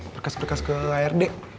perkas perkas ke ard